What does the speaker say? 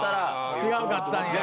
違うかったんや。